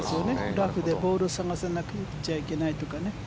ラフでボールを探さなくちゃいけないとかね。